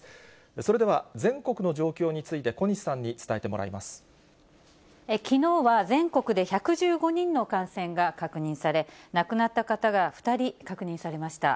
それでは全国の状況について、きのうは全国で１１５人の感染が確認され、亡くなった方が２人確認されました。